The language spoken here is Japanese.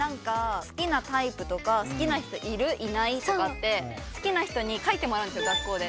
好きなタイプとか好きな人いるいないとかって好きな人に書いてもらうんですよ学校で。